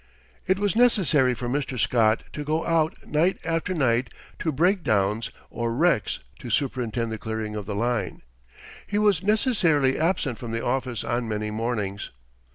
It was necessary for Mr. Scott to go out night after night to break downs or wrecks to superintend the clearing of the line. He was necessarily absent from the office on many mornings.